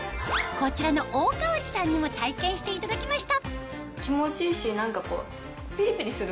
こちらの大川内さんにも体験していただきました